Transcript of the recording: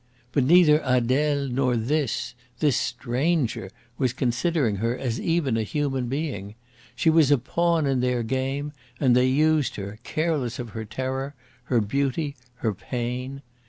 But neither Adele nor this this STRANGER was considering her as even a human being. She was a pawn in their game, and they used her, careless of her terror, her beauty, her pain.